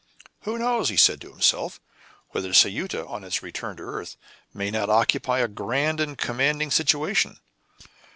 "Who knows," he said to himself, "whether Ceuta, on its return to earth, may not occupy a grand and commanding situation?